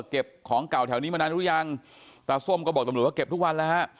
เก็บของเก่าแถวนี้มานานหรือยังตาส้มก็บอกตำรวจว่าเก็บทุกวันแล้วฮะ